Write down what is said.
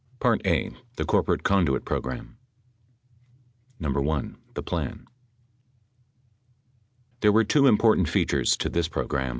A. The Corporate Conduit Program 1. THE plan There were two important features to this program.